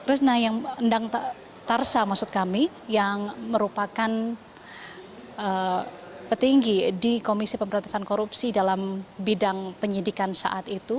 endang tarsa maksud kami yang merupakan petinggi di komisi pemberantasan korupsi dalam bidang penyidikan saat itu